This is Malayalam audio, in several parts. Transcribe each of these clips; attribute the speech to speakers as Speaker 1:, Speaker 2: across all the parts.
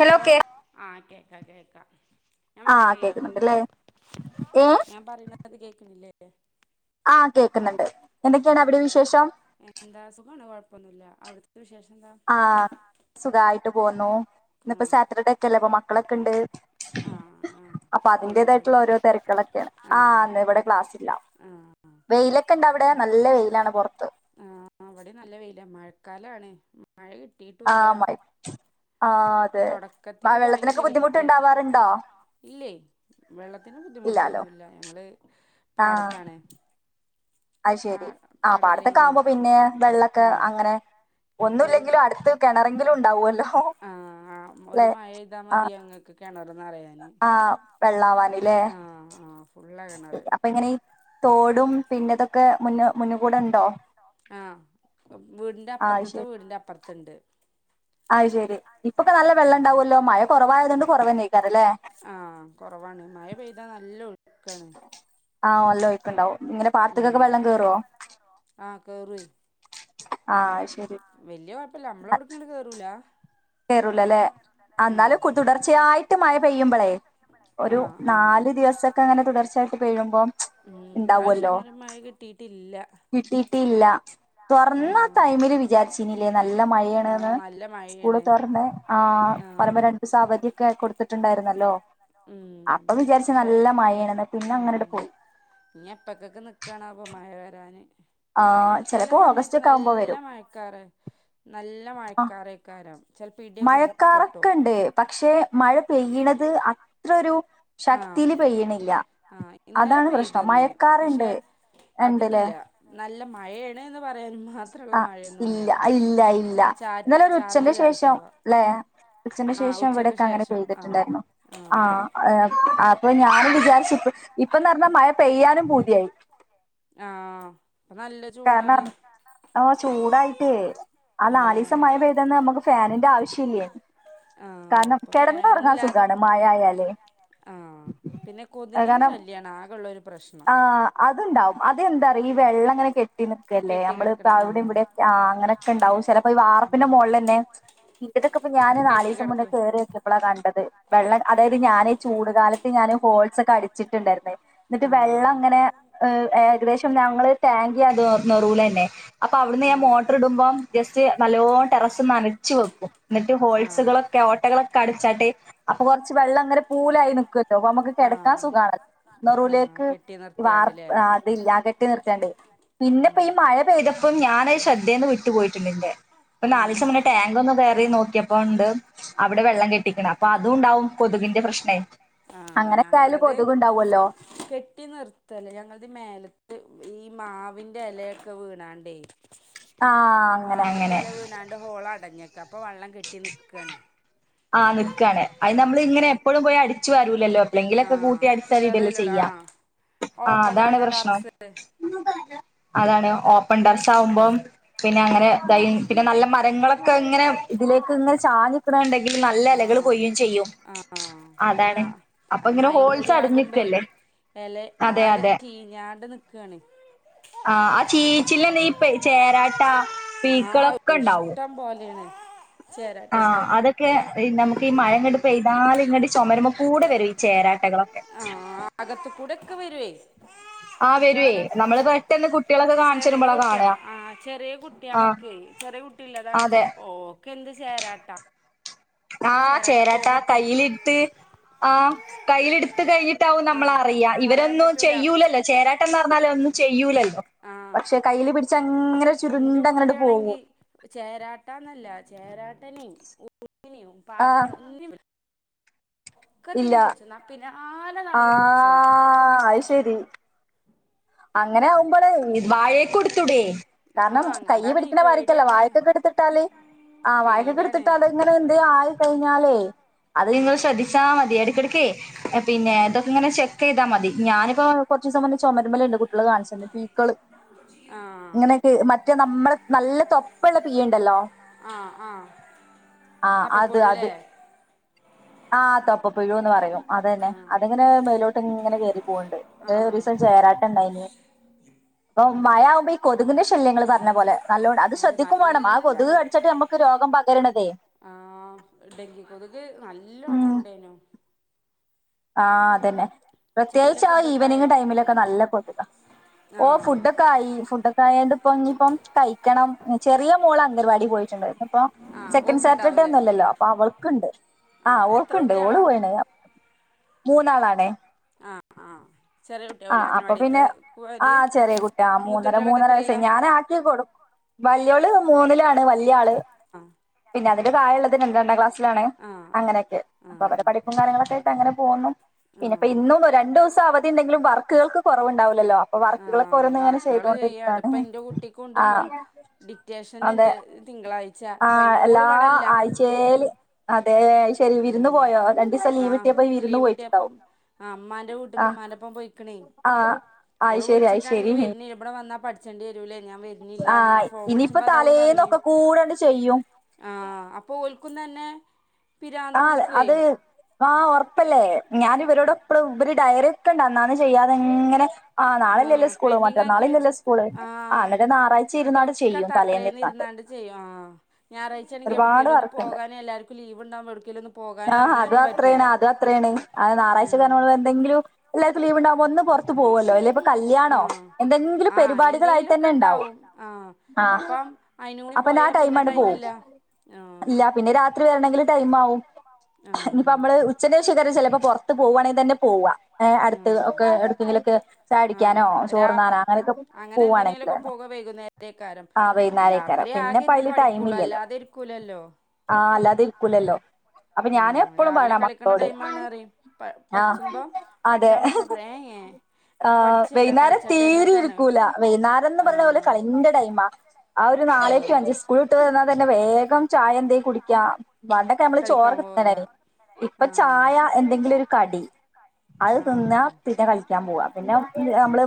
Speaker 1: ഹലോ ആ കേക്കാ കേക്കാ ഞാൻ പറേണ കേ ഞാൻ പരീനത് കേക്കുന്നില്ലേ
Speaker 2: ആ കേക്കുന്നുണ്ട് എന്തൊക്കെയാണ് അവിടെ വിശേഷം ആഹസുഖായിട്ട് പോന്നു ഇന്നിപ്പോ സാറ്റർഡേ ഒക്കെല്ലേ അപ്പൊ മക്കളൊക്കെ ഉണ്ട് അപ്പൊ അതിന്റേതായിട്ടുള്ള ഓരോ തിരക്കളൊക്കെയാണ് ആ അന്ന് ഇവിടെ ക്ലാസ്ല്ല വെയിലൊക്കെ ഇണ്ട അവിടെ നല്ല വെയിലാണ് പുറത്ത്
Speaker 1: അവിടെ നല്ല വെയില മഴക്കാലണ്
Speaker 2: ആ ആ ആ അതെ വെള്ളത്തിനൊക്കെ ബുദ്ധിമുട്ടുണ്ടാവാറുണ്ടോ
Speaker 1: വെള്ളത്തിന് ബുദ്ധിമുട്ടൊന്നുല്ല ഞങ്ങള് പാടത്താണ്
Speaker 2: അത് ശെരി ആ പാടത്തൊക്കെ ആവുമ്പോ പിന്നെ വെള്ളൊക്കെ അങ്ങനെ ഒന്നുമില്ലെങ്കിലും അടുത്ത് കിണറെങ്കിലും ഉണ്ടാവല്ലോ
Speaker 1: ആ ആ ഒരു മഴഴെയ്താൽ മതി ഞങ്ങൾക്ക് കിണർ ആ ഫുള്ളാ കിണർ
Speaker 2: തോടും പിന്നെതൊക്കെ മുന്ന മുന്നുകൂടണ്ടോ
Speaker 1: ആ വീടിന്റെ അപ്പുറത്തത്തെ വീടിന്റെ അപ്പുറത്ത ഇണ്ട്
Speaker 2: അ ശരിപ്പൊക്കെ നല്ല വെള്ളം ഉണ്ടാവല്ലോ മഴ കുറവായത കൊണ്ട് കുറവനേക്കാരല്ലേ
Speaker 1: ആ കൊറവാണ് മഴ പെയ്താ നല്ല ഒഴുക്കാണ്
Speaker 2: ആ നല്ല ഒഴുക്ക് ണ്ടാവും
Speaker 1: ആ കേറൂ
Speaker 2: ആ ശ
Speaker 1: വല്യ കുഴപ്പല്ല നമ്മളെവിടക്കണ്ട് കേറൂല
Speaker 2: കേറൂലല്ലേ അന്നാലും തുടർച്ചയായിട്ട് മഴ പെയ്യുമ്പോളേ ഒരു നാലു ദിവസ ഒക്കെങ്ങനെ തുടർച്ചയ്ട്ട് പെയ്യുമ്പം
Speaker 1: ഉം പ്രാവശ്യം അങ്ങനെ മഴ കിട്ടിട്ടില്ല
Speaker 2: കിട്ടയില്ല തുറന്ന ടൈമില് വിചാരിച്നിലേ നല്ല മഴയാണ്ന്ന് സ്കൂള് തുറന്ന ആ പറ്മ്പോ രണ്ടു ദിവസ അവധിയൊക്കെ കൊടുത്തിട്ടുണ്ടായിരുന്നല്ലോ അപ്പൊ വിചാരിച്ച നല്ല മഴണെന്ന പിന്നെ അങ്ങനെ ഇടെ പോയി
Speaker 1: ഇനി എപ്പൊക്കൊക്കെ നിക്കാനോ ആവോ മഴ
Speaker 2: ആ
Speaker 1: ആ
Speaker 2: ചിലപ്പോ
Speaker 1: സമയത്ത് നല്ല മഴക്കാറ് നല്ല മഴക്കാറേക്കാരം
Speaker 2: മഴക്കാറക്കെണ്ട് പക്ഷെ മഴ പെയ്യിണത് അത്രരു ശക്തിയില് പെയ്യിണില്ല
Speaker 1: ആ ഇന്നലെ പെയ്തുന്ന് പക്ഷെ അതില്ല നല്ല മഴേണ് ന്ന് പറ അയ്നുമാത്രള്ള മഴയൊന്നുല്ല ഒന്ന് ച ചാറൽ ചറിപ്പോവാ
Speaker 2: ല്ലെ ഉച്ചന്റെ ശേഷം ഇവടെക്ക ങ്ങനെ പെയ്തിട്ടുണ്ടായിരുന്നു ആആ ഇപ്പൊ ഞാനും വിചാര്ച്ച് പ്പൊ ഇപ്പന്നർഞ്ഞാ മഴ പെയ്യാനും പൂതിയായി
Speaker 1: ആ നല്ല ചൂടാണ്
Speaker 2: ആ ചൂടായിട്ടേ ആ നാലീസം മഴ പെയ്തന്ന് നമക്ക് ഫാനിന്റെ ആവശ്യല്ലേ കാരണം കെടന്നൊറങ്ങാ സുഖാണ് മയ യാലേ
Speaker 1: ആ പിന്നെ കൊതുകിന്റെ ശല്യാണ് ആകെള്ളാരു പ്രശ്നം
Speaker 2: അതെന്താറിയോ ഈ വെള്ളങ്ങനെ കെ നിക്കല്ലേ നമ്മളിപ്പ അവടിം ഇവടെ ക്കെ ആ അങ്ങനെക്കെ ണ്ടാവും ചെലപ്പോ ഈ വാർപ്പിന്റെ മോളിലെന്നെ ഇതൊക്കെപ്പ ഞാന് നാലീസം മുന്നേ കേറ്യോക്ക്യപ്പളാ കണ്ടെ ത് വെള്ളം അതായത് ഞാൻ ചൂടുകാലത്ത് ഞാന് ഹോൾസൊക്കെ അടിച്ചിട്ട്ണ്ടായിര്ന്നേ ന്നിട്ട് വെള്ള അങ്ങനെ അ് ഏകദേശം ഞങ്ങള് ടാ [unintelligible] നെറൂലെന്നെ അപ്പൊ അവട്ന്ന് ഞാൻ മോട്ടർ ട്മ്പോം ജസ്റ്റ് നല്ലോ ടെറസ് ന്നനച്ച് വെക്കും എന്നിട്ട് ഹോൾസുകളൊക്കെ ഓട്ടകളൊക്കെ അടിച്ചാട്ട് അപ്പൊ കൊറച്ച് വെള്ളം അങ്ങനെ പൂലായി നക്കല്ലോ അപ്പോ നമുക്ക് കിടക്കാ സുഖ വർ അതില്ലാ കെട്ടി നിർത്തണ്ട് പിന്നെപ്പ ഈ മഴ പെയ്ത ഇപ്പം ഞാൻ ശ്രദ്ധേൽന്ന് വിട്ടുപ പോയിട്ടി എന്റെ അപ്പനാല്സം ന്നെടാങ്ക് ഒന്ന് കയറി നോക്കിയപ്പോണ്ട് അവിടെ വെള്ളം കെട്ടിക്കണം അപ്പൊ അതുണ്ടാവും കൊതു കൊതുകിനെ എന്റെ പ്രശ്നേ
Speaker 1: ഞങ്ങളത് കെട്ടി നിർത്തല്ല ഞങ്ങളത് മേലത്ത് ഈ മാവിൻ്റെ ഇലയൊക്കെ വീണാണ്ടേ മാമ്മത്ത എല വീനാണ്ട് ഹോള അടഞ്ഞ അപ്പൊ വെള്ളം കെട്ടി നിക്കണ
Speaker 2: ആഹ നിക്കാണ് അത് നമ്മൾ ഇങ്ങനെ എപ്പോഴും പോയി അടിച്ചു വരു ലല്ലോ എ പ്ലെങ്കിലൊക്കെ കൂട്ടി അടിച്ച് വാരിടകല്ലചെയ്യാ. ആ അതാണ് പ്രശ്നം. അതാണ് ഓപ്പൺ ഡർസ് ആകുമ്പോം പിന്നെ പിന്നെ നല്ല മരങ്ങളൊക്കെ ഇങ്ങനെ ഇതിലേക്ക് ഇങ്ങന ചാഞ്ക്കണണ്ടെ നല്ല ഇലകൾ കൊയ്യചെയ്യും അതാണ് അപ്പൊ ഇങ്ങനെ ഹോൾസ് അടഞ്ഞിക്കല്ലേ.
Speaker 1: ല്ലെ ആകെച്ചീ ഞാണ്ട് നിക്കാണ്
Speaker 2: ആഹ ആ ചീചില് നീഈപ്പ ചേരാട്ട.
Speaker 1: ആഇഷ്ടം പോലെയാണ്
Speaker 2: ആ അതൊക്കെ നമുക്ക് ഈ മഴ ങ്ങടു പെയ്താലൽ ഇങ്ങടെ ചുമരുമ കൂടെ വരും ഈ ചേരാട്ടകളൊ
Speaker 1: ആഹ അകത്ത് കുടക്കെ വരുവേ
Speaker 2: ആഹ വരുവേ നമ്മള് പട്ടെന്ന് കുട്ട
Speaker 1: ചെറിയ കുട്ടിയള് ആ ചെറിയ കുട്ടികളൊക്കെ ചെറിയ കുട്ടില്ലതാണ്. ഇപ്പോ ഓ ചേരാട്ട
Speaker 2: ആ് ചേരാട്ടാ കയ്യിലിടുത്ത് ആ കയ്യില എടുത്ത് കയ്ല് ട്ടനമ്മള അറിയ ഇവരെന്നും ചെയ്യൂലല്ലോ ചേരാട്ടന്ന് പറഞ്ഞാൽ ഒന്നും ചെയ്യൂലല്ലോ?
Speaker 1: ആഹ എന്റെ കുട്ടിയാണെങ്കി ചേരാട്ടാന്നല്ല ചേരാട്ട ിനും പാചന ഒ [inaudible] ഒക്കത്തിനും പിടിച്ചന്നു പിന്നെ ആന നടന്നും പിടിച്ചും
Speaker 2: അങ്ങനെ ആകുമ്പോൾ വായക്ക എടുത്തൂടേ കാരണം കൈ പിടിക്കണ വാര്ല്ല വാഴക്കൊക്കെ എടുത്ത് ട്ടാല്ആ വായക്കൊക്കെ എടുത്തിട്ട അതെങ്ങനെ എന്ത ആയി കഴിഞ്ഞാലേ? അത് നിങ്ങൾ ശ്രദ്ധിച്ചാ മതി എടുക്കെടുക്കേ പിന്നെ ഇതൊക്കെ ഇങ്ങനെ ചെക്ക് ചെയ്താൽ മതി ഞാനിപ്പോ കുറച്ച ദിവസം പറഞ്ഞ ചുമരുമലുണ്ട് കുട്ടികള് കാണിച്ചന്ന് പീക്കള് ഇങ്ങനെയൊക്കെ മറ്റേ നമ്മള നല്ല തൊപ്പള്ള വീഉണ്ടല്ലോ? ആഹ അത് അത് ആഹ തെപ്പപ്പഴുന്ന് പറയും അത തന്നെ അതങ്ങനെ മെലോട്ട് ഇങ്ങനെ കയറി പോവണ്ട്. ഒരീസം ചേരാട്ട ഇണ്ടായിന അപ്പൊ മഴ ആകുമ്പോ ഈ കൊതുകിന്റെ ശല്യങ്ങള് പറഞ്ഞ പോലെ നല്ലോണ്ട് അത് ശ്രദ്ധിക്കും വേണം ആ കൊതുക് കടിച്ചിട്ട് നമ്മുക്ക് രോഗം പകരണത്
Speaker 1: ആഹ ഡെങ്കി കൊതുക് നല്ലോണം ഇണ്ടേനോ
Speaker 2: ആ അതന്നെ പ്രത്യേകിച്ച് ആ ഈവനിങ് ടൈമിലൊക്കെ നല്ല കൊതുക ഓ ഫുഡ്ക്കെയി ഫുഡ്ക്കെ ആയണ്ട് ഇപ്പോഇനിയിപ്പോം കഴിക്കണം ചെറിയ മോള് അംഗൻവാടി പോയി ണ്ട ഇപ്പ സെക്കൻ് സാറ്റർഡേ ഒന്നല്ലല്ലോ അപ്പൊ അവൾക്കുണ്ട് ആഹ് ഓൾക്കണ്ട് ഓള് പോയിന മൂന്നാളാണേ
Speaker 1: ആഹ ആഹ
Speaker 2: ആഹ് അപ്പൊ പിന്നെ ആ ചെറിയ കുട്ടി ആ മൂന്നര മൂന്നര വയസ ഞാനൻ ആക്കി കൊടുക്കും. വല്യോള് മൂന്നിലാണ് വല്യയാള്
Speaker 1: ആഹ
Speaker 2: അതിന് തായുള്ളത രണ്ടാം ക്ലാസ് [unintelligible] അങ്ങനെക്കെ അപ്പൊ അവരെ പഠിപ്പും കാര്യങ്ങളൊക്കായിട്ട് അങ്ങനെ പോവുന്നു പിന്നെപ്പ ഇന്നും രണ്ടുസം അവധി ണ്ടെങ്കിലും വർക്കുകൾക്ക് കൊറവുണ്ടാവൂല്ലല്ലോ അപ്പൊ വർക്കുകളൊക്കെ ഓരോന്ന്ങ്ങനെ ചെയ്തോണ്ടിരിക്കണ് ആ
Speaker 1: ഡിറ്റേഷനിണ്ട് തിങ്കളാഴ്ച അപ്പൊ അയിന് ഓള് വടെല്ല
Speaker 2: അതെ ശെരി വിര്ന്ന് പോയോ രണ്ടിസം ലീവ് ട്ട്യപ്പോ വിര്ന്ന് പോയിട്ട്ണ്ടാവും ആ
Speaker 1: ക്ക്ണെ ഓള് വിൾച്ചിട്ടാണെങ്കി വെര്ന്നില്ല ഇബടെ വന്നാ പഠിച്ച ണ്ട്യേരൂല്ലേ ഞാൻ വെര്ന്നില്ലാ ർഞ്ഞാണ്ട് ഫോം വിൾച്ചുമ്പോ അതാ ഓള് പറണേ
Speaker 2: ക്കെ കൂടണ്ട് ചെയ്യും
Speaker 1: ആ അപ്പൊ ഒൽക്കുംതന്നെ
Speaker 2: ആ അത് ആ ഒർപ്പല്ലേ ഞാൻ ഇവരോടെപ്പളും ഇവര് ഡയറി ഒക്കെണ്ട് അന്നാന്ന് ചെയ്യാതെങ്ങനെ ആ നാളെല്ലല്ലേ സ്കൂള് മറ്റനാള്ല്ലല്ലേ സ്കൂള് ആ ന്നട്ട് ഞായറാഴ്ച ഇര്നാണ്ട് ചെയ്യും തലേന്ന് ര്ന്നാട്ട്
Speaker 1: ചെയ്യും ആ ഞാറാഴ്ച്ചണെങ്കി എവ്‌ട്ക്കേലൊന്ന് പോകാന് എല്ലാർക്കും ലീവ്ണ്ടാവുമ്പോ എവ്ട് ക്കേലൊന്ന് പോ
Speaker 2: ആ അത് അത്രേണ് അത് അത്രേണ് ആ ഞായറാഴ്ച [unintelligible] എന്തെങ്കിലും എല്ലാര്ക്കും ലീവ്ണ്ടാ ഒന്ന് പൊർത്ത് പോവൊല്ലോ അല്ലേപ കല്യാണോ എന്തെങ്കിലും പരിപാടികളായിട്ടെന്നെ ണ്ടാവും ആ അപ്പന്നാ ടൈമാണ്ട് പോവും ഇല്ല പിന്നെ രാ ത്രി വര്ണങ്കില് ടൈമാവും ഞ്‌പ്പ മ്മള് ഉച്ച ച്ച കാരം ചെല് പ്പോ പൊർത്ത് പോവാണെങ്കി തന്നെ പോവ്വാ ഏ അട്ത്ത് ഒക്കെ എട്ക്കെങ്കിലൊക്കെ ചായു ടിക്കാനോ ചോർന്നാ നോ അങ്ങനൊക്കെ പോവാണെങ്കിൽ ലെന്നെ
Speaker 1: വൈകുന്നേരക്കാരം രാത്രി ആകെ ര്ന്ന് പഠിക്കൊള്ളൂ അല്ലാതെ ഇരിക്കൂലല്ലോ
Speaker 2: ആ അല്ലാതെ ഇരിക്കൂലല്ലോ
Speaker 1: ഉം രാവിലെ കളിക്കണ ടൈ മാണാറിം പ പഠിച്ചുമ്പോ പഠിച്ചാ വിൾച്ചാ പറിം ഏ
Speaker 2: [unintelligible] ആ വൈന്നാരം തീരി ര്ക്കൂല വൈന്നാരംന്ന് പറിണെ ഓലെ കളിന്റെ ടൈമാ ആ ഒരു നാലെ റ്റു അഞ്ച് സ്കൂൾട്ട് വന്നാ തന്നെ വേഗം ചായ എന്തേ കുടിക്കാ പണ്ടൊക്കെ അമ്മള് ചോറൊക്കെ തിന്നേണ്ടായിന്ന് ഇപ്പൊ ചായ എന്തെങ്കിലൊരു കടി അഅ് തിന്നാ പിന്നെ കളിക്കാൻ പോവ പിന്നെ നമ്മള്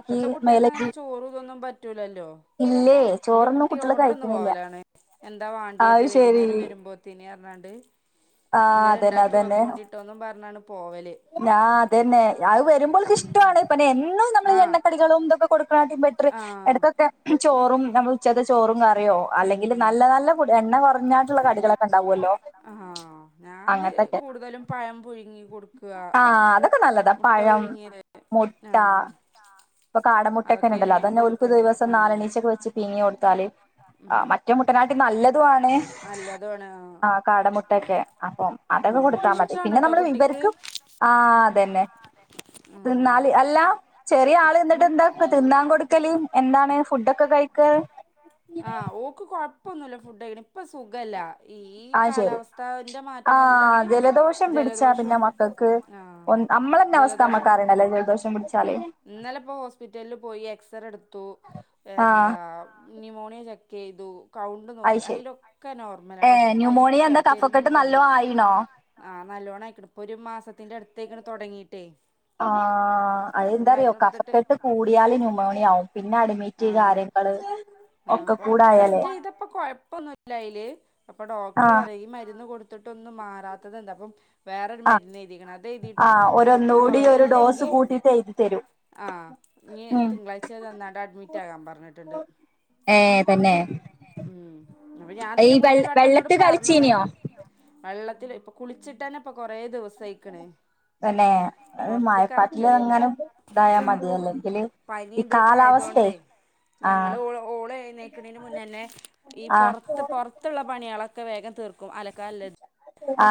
Speaker 1: ഇപ്പത്തെ കുട്ട്യേ ക്കങ്ങനെ ചോറ് ഇതൊന്നും പറ്റൂലല്ലോ
Speaker 2: ഇല്ലെയ് ചോറൊന്നും കുട്ട്യള് കഴിക്ക്ണില്ല
Speaker 1: എന്താ വാണ്ട്യത് വൈകുന്നേരം വരുമ്പോത്തിനർഞ്ഞാണ്ട്
Speaker 2: ആഹ അതന്നെ അതന്നെ ഞാ അതെന്നെ അ ഇഷ്ടമാണ് പിന്നെ എന്നും നമ്മള് എണ്ണക്കടികളും ഇതൊക്കെ കൊടുക്കണായിട്ടും ബെറ്ററ് എടക്കൊക്കെ ചോറും നമ്മൾ ഉച്ചത്തെ ചോറും കറിയോ അല്ലെങ്കിൽ നല്ല നല്ല എണ്ണ കുറഞ്ഞാട്ടുള്ള കടികളൊ ണ്ടാവുലോ
Speaker 1: ആഹ് ഞാന് കൂടുതലും പഴം പുഴുങ്ങി കൊടുക്കുക മുട്ട പുഴുങ്ങിയത്
Speaker 2: മുട്ട ട്ടെക്കെ ഇണ്ടല്ലോ അതന്നെ ഓൽക്ക് ദിവസം നാലണീച്ചൊക്കെ വെച്ച് പീങ്ങി കൊടുത്താല് ആഹ് മറ്റേ മുട്ടനാട്ടിൽ നല്ലതും ആണ് ആ കാടമുട്ടൊക്കെ അപ്പൊ അതങ്ങ് കൊടുത്താ മതി പിന്നെ നമ്മള് ഇവര്ക്ക് ആഹ് അതന്നെ തിന്നാല് അല്ല ചെറിയ ആള് നിന്നിട്ട് എന്താ തിന്നാൻ കൊടുക്കല് എന്താണ് ഫുഡൊക്കെ കഴ ക്ക്
Speaker 1: ആഹ് ഓക്ക് കൊഴപ്പൊന്നുല്ല ഫുഡ് കഴിക്കണ് ഇപ്പ സുഖല്ല ഈ കാലാവസ്ഥാന്റെ മാറ്റം കൊണ്ടാണ് ജലദോഷം ആഹ്
Speaker 2: നമ്മളെന്നെ അവസ്ഥ നമ്മക്കറിണല്ലേ ജലദോഷം പിടിച്ചാലേ
Speaker 1: ഇന്നലെ ഇപ്പോ ഹോസ്പിറ്റലിൽ പോയി എക്സറേ എടുത്തു എന്താ നിമോണിയ ചെക്ക് ചെയ്തു കൗണ്ട് നോക്കി അയിലൊക്കെ നോർമലാണ് പക്ഷെ പനിക്കാണ് പെരും പനി ആ നല്ലോണായിക്കണ് ഇപ്പൊ ഒരു മാസത്തിന്റെ അടുത്തേക്കണ് തൊടങ്ങീട്ടേ
Speaker 2: ആ അതെന്താറിയോ കഫക്കെട്ട് കൂടിയാല് ന്യൂമോണിയാവും പിന്ന അഡ്മിറ്റ്‌ കാര്യങ്ങൾ ഒക്ക കൂടെ ആയാലെ
Speaker 1: ഇപ്പൊന്നുംല്ല അയില് അപ്പൊ ഡോക്ടർ പറയും ഈ മരുന്ന് കൊടുത്തിട്ടൊന്നും മാറാത്തത് എന്താ അപ്പം വേറൊരു മരുന്ന് എഴുതിക്കണം അതെഴുതീട്ടും കൊടുത്തിട്ടും കൊറവില്ലെങ്കി ആ ഇനി തിങ്കളാഴ്ച നന്നാട്ട് അഡ്മിറ്റ് ആകാൻ പറഞ്ഞിട്ടിണ്ട്
Speaker 2: ഏ തന്നെ
Speaker 1: ഉം അപ്പ ഞാൻ അതിന് മുന്നേരു വട്ടം ഇങ്ങളോട് പറഞ്ഞതാ വെള്ളത്ത് ഇതില് ഇപ്പൊ കുളിച്ചിട്ടന്നെ ഇപ്പൊ കൊറേ ദിവസം ആയിക്കണ്
Speaker 2: തന്നെ എ് മായപ്പാട്ടില് എങ്ങാനും ഇതായാ മതിയല്ലെ എങ്കില്
Speaker 1: പനി ഇതൊക്കെ ആയതോണ്ടേ ഞങ്ങൾ ഓ ഓള് എഴുന്നേക്കണേന് മുന്നേന്നെ ഈ പൊറത്ത് പൊറത്തുള്ള പണികളൊക്കെ വേഗം തീർക്കും അലക്കാല്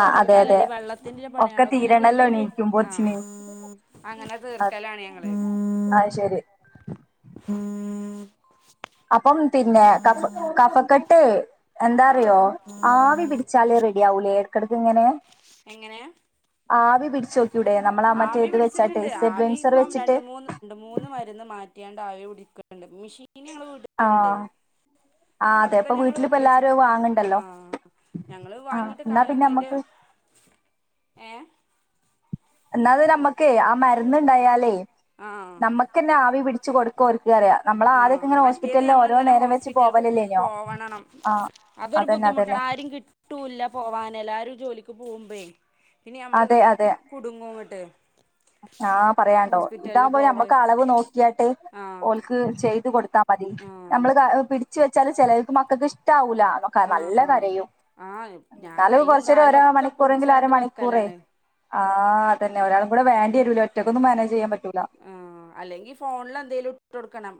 Speaker 1: തൊടക്കാലലി ഈ വെള്ളത്തിന്റെ പണികളൊക്കെ ഞങ്ങളെല്ലാം ആ അങ്ങനെത് തീർക്കലാണ് ഞങ്ങള്
Speaker 2: അത് ശരി അപ്പം പിന്നെ കഫ കഫക്കെട്ട് എന്താറിയോ ആവി പിടിച്ചാല് റെഡി ആവൂല്ലേ എടക്കിടക്ക് ഇങ്ങനെ
Speaker 1: എങ്ങനെ
Speaker 2: ആവി പിടിച്ചോക്ക
Speaker 1: ആവി പിടിച്ചിട്ടുണ്ട് ആവി ഇപ്പം രണ്ട് മൂന്ന് രണ്ട് മൂന്ന് മരുന്ന് മാ കിട്ടിയണ്ട് ആവിടിക്കണണ്ട് മെഷീന് ഞങ്ങളെ വീട്ടിലിണ്ട്
Speaker 2: ആ അതെ അപ്പൊ വീട്ടിലിപ്പോ എല്ലാരും വാങ്ങ
Speaker 1: ആ ഞങ്ങള് വാങ്ങിട്ട് കാലം അയിന്റെ ഏ
Speaker 2: എന്നാത് നമ്മക്കേ ആ മരുന്ന് ഇണ്ടായാലേ നമ്മക്കന്നെ ആവി പിടിച്ചു കൊടുക്കോർക്കറിയാം നമ്മള ആദ്യക്കെ ഇങ്ങന ഹോസ്പിറ്റലില് ഓരോ നേരം വെച്ച് പോ
Speaker 1: ഇപ്പ പോവണംണം അതൊരു ബുദ്ധിമുട്ട് ആരും കിട്ടൂല്ല പോവാനെല്ലാരും ജോലി പൂവുമ്പേയ് പിന്നെ നമ്മള് കുടുങ്ങുംങ്ങട്ട്
Speaker 2: ആ പറയാണ്ടോ ഇപ്പ ഇതാവുമ്പോ നമ്മക്ക് അളവ് നോക്കിയട്ട് ഓൾക്ക് ചെയ്ത് കൊടുത്താമതി നമ്മള് ക അ് പിടിച്ചു വെ ച്ചാ ചെലർക്ക് മക്കക്ക് ഇഷ്ടവൂല്ല നോ ക്ക നല്ല കരയും
Speaker 1: ആ ഞാൻ കൈയ്യും കാലും ഒക്കെ പിടിച്ചാണ്ട് വെക്കലാണ്
Speaker 2: ആ അതന്നെ ഒരാളുംകൂടെ വേണ്ടി വരൂല്ലേ ഒറ്റ
Speaker 1: ആ അല്ലെങ്കി ഫോണില്എന്തേലും ഇട്ടൊടുക്കണം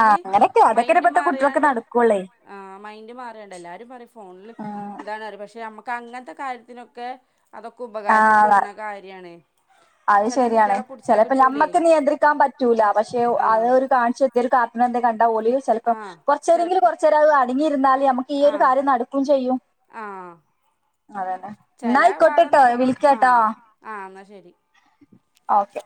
Speaker 2: ആ അങ്ങനൊക്കെ അതൊക്കെല്ലേ ഇപ്പഴത്തെ കുട്ടികളൊക്കെ നടക്കോള്ളേ
Speaker 1: ആ മൈൻഡ് മാറേണ്ട എല്ലാരും പറയും ഫോണില് എന്താണ്റിയ പക്ഷെ നമ്മ ക്ക അങ്ങനത്തെ കാര്യത്തിനൊക്കെ അതൊക്കെ ഉപകാരത്തിപ്പെടുന്ന കാര്യാണ്
Speaker 2: അത് ശരിയാണ് ചെലപ്പോ ഞമ്മക്ക് നിയന്ത്രിക്കാൻ പറ്റൂല പക്ഷെ ഒ അത് ഒരു കാണിച്ച എത്തിയൊരു കാര ഇങ്ങള് എന്തേ കണ്ടാ ഓളില് ചെലപ്പ കൊറച്ചേരെങ്കില് കുറച്ചേരം അത് അടങ്ങിരുന്നാൽ ഇയമുക്ക് ഈ ഒരു കാര്യം നടക്കും ചെയ്യും
Speaker 1: ആ ചെല വാഗം നോക്കുമ്പം ആ ആ എന്നാ ശരി
Speaker 2: ഓക്കെ